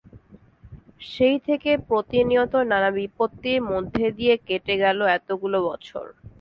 সেই থেকে প্রতিনিয়ত নানা বিপত্তির মধ্য দিয়ে কেটে গেল এতগুলো বছর।